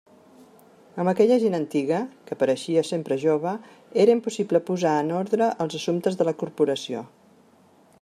Amb aquella gent antiga, que pareixia sempre jove, era impossible posar en ordre els assumptes de la corporació.